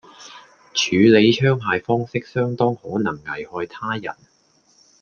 處理槍械方式相當可能危害他人